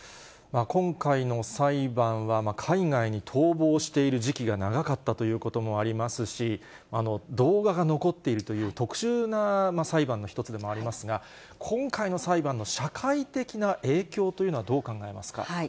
今回の裁判は、海外に逃亡している時期が長かったということもありますし、動画が残っているという特殊な裁判の一つでもありますが、今回の裁判の社会的な影響というのはどう考えますか。